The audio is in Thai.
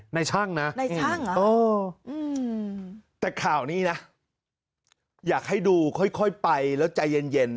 ในช่างนะในช่างแต่ข่าวนี้นะอยากให้ดูค่อยไปแล้วใจเย็น